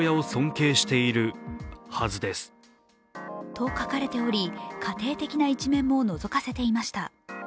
ホームページにはと書かれており、家庭的な一面ものぞかせていました。